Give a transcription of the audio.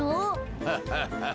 ハハハハ。